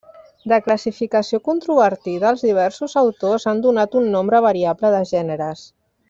De classificació controvertida, els diversos autors han donat un nombre variable de gèneres.